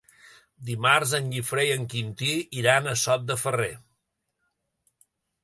Dimarts en Guifré i en Quintí iran a Sot de Ferrer.